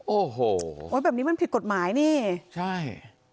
โอ้โหแบบนี้มันผิดกฎหมายนี่ใช่